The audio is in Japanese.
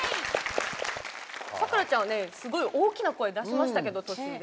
咲楽ちゃんは、すごい大きな声出しましたけど途中で。